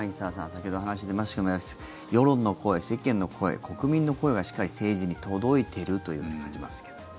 先ほど話に出ましたけれど世論の声、世間の声、国民の声がしっかり政治に届いてると感じますけれども。